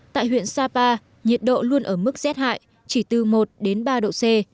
tại huyện sapa nhiệt độ luôn ở mức rét hại chỉ từ một đến ba độ c